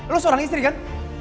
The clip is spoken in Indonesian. lu seorang istri kan